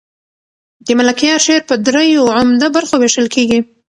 د ملکیار شعر په دریو عمده برخو وېشل کېږي.